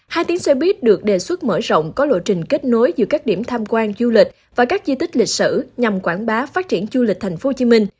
hai tiếng xe buýt được đề xuất mở rộng có lộ trình kết nối giữa các điểm tham quan du lịch và các di tích lịch sử nhằm quảng bá phát triển du lịch tp hcm